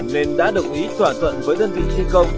nên đã đồng ý thỏa thuận với đơn vị thi công